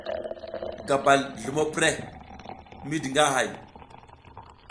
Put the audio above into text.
Gabal zlumo prəh, midi nga hay.